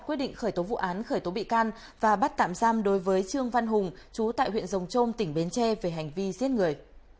quyết định khởi tố vụ án khởi tố bị can và bắt tạm giam đối với trương văn hùng chú tại huyện rồng trôm tỉnh bến tre về hành vi giết người